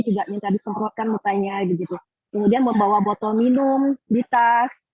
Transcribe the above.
juga yang ingin disemprotkan mutainya kemudian membawa botol minum di tas